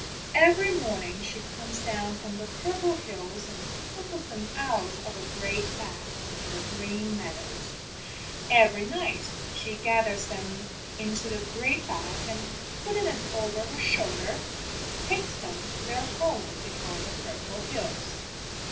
Every morning she comes down from the Purple Hills and tumbles them out of a great bag on to the Green Meadows. Every night she gathers them into the great bag and, putting it over her shoulder, takes them to their home behind the Purple Hills.